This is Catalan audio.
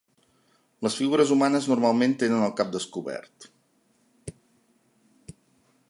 Les figures humanes normalment tenen el cap descobert.